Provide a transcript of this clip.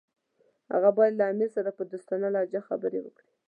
هغه باید له امیر سره په دوستانه لهجه خبرې وکړي.